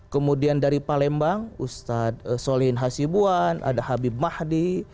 kemudian dari palembang ustaz soleyin hasibuan ada habib mahdi